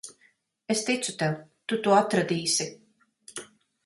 Es ticu tev. Tu to atradīsi.